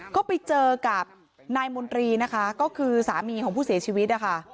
ก็ไปเจอกับนายมนตรีนะคะก็คือสามีของผู้เสียชีวิตนะคะ